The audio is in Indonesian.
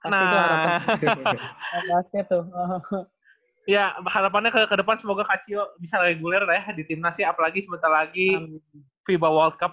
nah harapannya ke depan semoga kak cio bisa reguler di timnas ya apalagi sebentar lagi viva world cup dua ribu dua puluh tiga